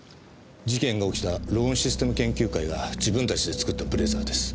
事件が起きたローンシステム研究会が自分たちで作ったブレザーです。